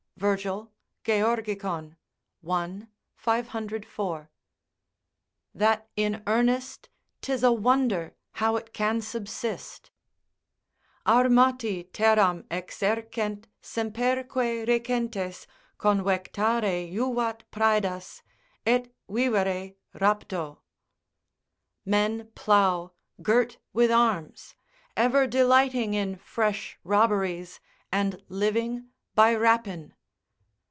Virgil, Georg., i. 504.] that in earnest, 'tis a wonder how it can subsist: "Armati terram exercent, semperque recentes Convectare juvat praedas; et vivere rapto." ["Men plough, girt with arms; ever delighting in fresh robberies, and living by rapine."